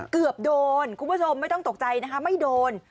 เกือบโดนคุณผู้ชมไม่ต้องตกใจนะคะไม่โดน